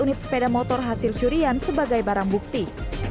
dua unit sepeda motor hasil curian sebagai barang bukti